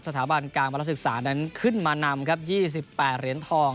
สถาบันกลางวันละศึกษานั้นขึ้นมานำครับ๒๘เหรียญทอง